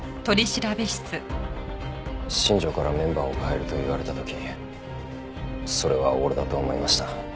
新庄からメンバーを代えると言われた時それは俺だと思いました。